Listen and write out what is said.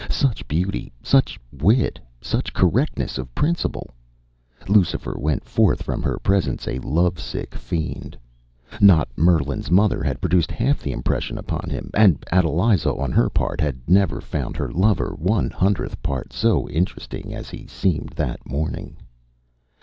Such beauty, such wit, such correctness of principle! Lucifer went forth from her presence a love sick fiend. Not Merlin’s mother had produced half the impression upon him; and Adeliza on her part had never found her lover one hundredth part so interesting as he seemed that morning.